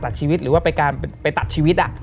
ชีวิตหรือว่าไปตัดชีวิต